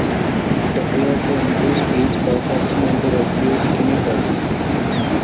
It appeared to improve speech perception and to reduce tinnitus.